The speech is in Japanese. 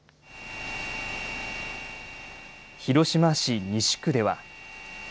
広島市西区では。